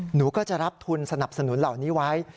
หนูก็จะรับทุนสนับสนุนเหล่านี้ไว้